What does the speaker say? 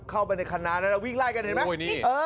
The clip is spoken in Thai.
เข้าไปในคณะนั้นวิ่งไล่กันเห็นไหม